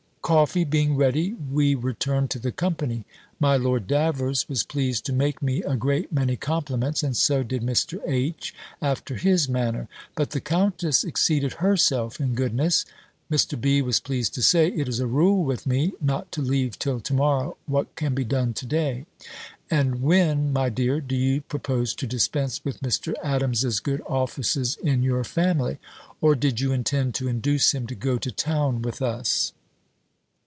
Coffee being ready, we returned to the company. My Lord Davers was pleased to make me a great many compliments, and so did Mr. H. after his manner. But the countess exceeded herself in goodness. Mr. B. was pleased to say, "It is a rule with me, not to leave till to morrow what can be done to day: and when, my dear, do you propose to dispense with Mr. Adams's good offices in your family? Or did you intend to induce him to go to town with us?"